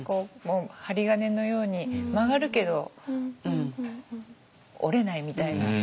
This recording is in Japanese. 針金のように曲がるけど折れないみたいな。